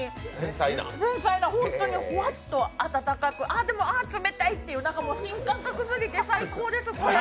繊細な、本当にほわっと温かく、ああでも冷たいっていう新感覚すぎて最高です！